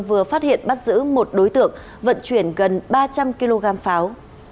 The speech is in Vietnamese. vừa phát hiện bắt giữ một đối tượng vận chuyển gần ba trăm linh kg pháo